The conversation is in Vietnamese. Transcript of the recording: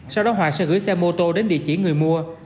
sau đó hoàng sẽ gửi xe mô tô đến địa chỉ người mua